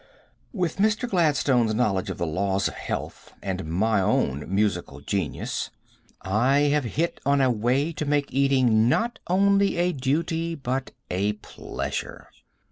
With Mr. Gladstone's knowledge of the laws of health and my own musical genius, I have hit on a way to make eating not only a duty, but a pleasure.